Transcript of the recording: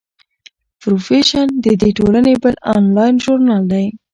پروفیشن د دې ټولنې بل انلاین ژورنال دی.